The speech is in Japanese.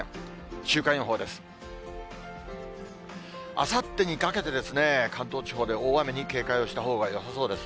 あさってにかけてですね、関東地方で大雨に警戒をしたほうがよさそうです。